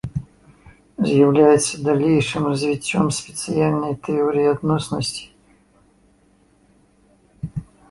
З'яўляецца далейшым развіццём спецыяльнай тэорыі адноснасці.